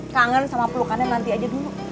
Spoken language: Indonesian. kangen sama pelukannya nanti aja dulu